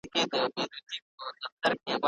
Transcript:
د صنعتي ټولنې راتلونکی باید په دقت سره پیشبیني سي.